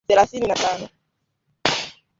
thelathini na tano